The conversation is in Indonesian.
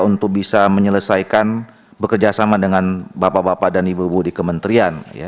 untuk bisa menyelesaikan bekerjasama dengan bapak bapak dan ibu ibu di kementerian